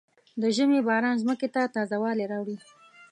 د ژمي باران ځمکې ته تازه والی راوړي.